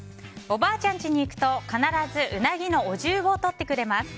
おばあちゃんちに行くと必ずうなぎのお重をとってくれます。